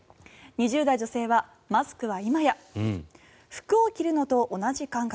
２０代女性はマスクは今や服を着るのと同じ感覚。